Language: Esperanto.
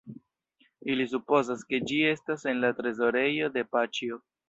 Ili supozas ke ĝi estas en la trezorejo de Paĉjo.